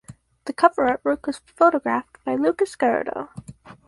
The cover artwork was photographed by Lucas Garrido.